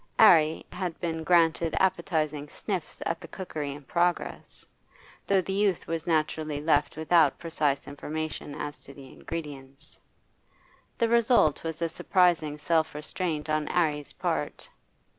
'Arry had been granted appetising sniffs at the cookery in progress, though the youth was naturally left without precise information as to the ingredients. The result was a surprising self restraint on 'Arry's part.